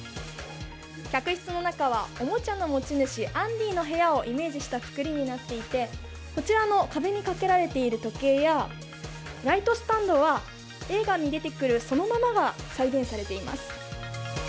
客室の中はおもちゃの持ち主アンディの部屋をイメージした造りになっていてこちらの壁に掛けられている時計やライトスタンドは映画に出てくるそのままが再現されています。